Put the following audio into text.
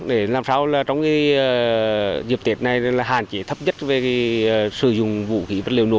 để làm sao trong dịp tiệc này hạn chế thấp nhất về sử dụng vũ khí vật liệu nổ